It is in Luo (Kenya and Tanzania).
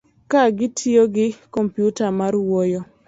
ka gitiyo gi kompyuta mar wuoyo